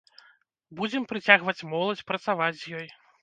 Будзем прыцягваць моладзь, працаваць з ёй.